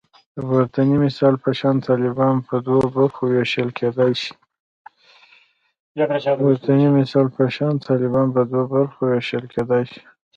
د پورتني مثال په شان طالبان په دوو برخو ویشل کېدای شي